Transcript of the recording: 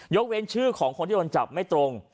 เว้นชื่อของคนที่โดนจับไม่ตรง